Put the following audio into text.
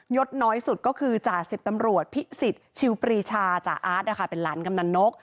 ยศน้อยสุดก็คือจาศิษฐ์ตำรวจพิศิษฐ์ชิลปรีชาจาอาทเป็นหลานกำหนันนก